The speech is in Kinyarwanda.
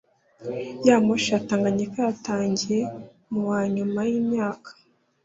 ya moshi ya Tanganyika yatangiye mu wa nyuma y imyaka